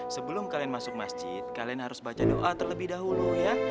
sebelum kalian masuk masjid kalian harus baca doa terlebih dahulu ya